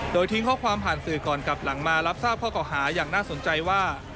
โดยทิ้งข้อความผ่านสื่อก่อนกลับหลังมารับทราบข้อเก่าหาอย่างน่าสนใจว่า